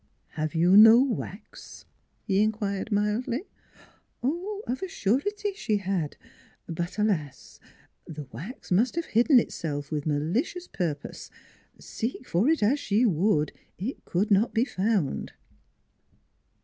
" Have you no wax? " he inquired mildly. Of a surety she had; but alas! the wax must have hidden itself with malicious purpose. Seek for it as she would, it could not be found.